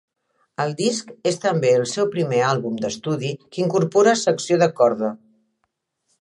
El disc és també el seu primer àlbum d'estudi que incorpora secció de corda.